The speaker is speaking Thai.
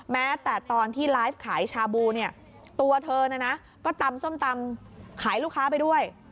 แม้แต่ตอนที่ไลฟ์ขายชาบูเนี่ยตัวเธอนะนะก็ตำส้มตำขายลูกค้าไปด้วย